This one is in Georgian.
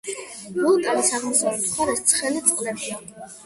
ვულკანის აღმოსავლეთ მხარეს ცხელი წყლებია.